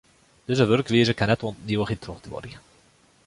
Dizze wurkwize kin net oant yn ivichheid trochduorje.